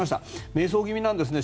迷走気味なんですね。